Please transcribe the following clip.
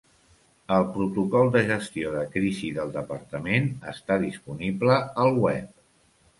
El protocol de gestió de crisi del Departament està disponible al web.